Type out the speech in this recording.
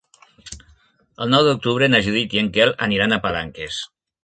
El nou d'octubre na Judit i en Quel aniran a Palanques.